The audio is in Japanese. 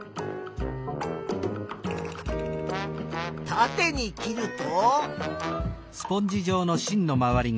たてに切ると。